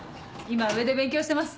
今上で勉強してます。